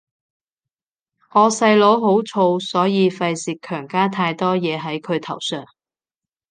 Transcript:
我細佬好燥，所以費事強加太多嘢係佢頭上